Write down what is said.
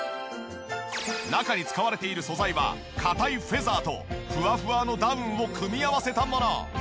中に使われている素材は硬いフェザーとフワフワのダウンを組み合わせたもの。